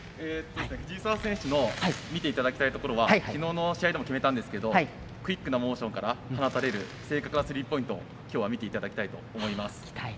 藤澤選手の見ていただきたいところはきのうの試合でも決めたんですけどクイックなモーションから放たれる正確なスリーポイントをきょうは見ていただきたいと思います。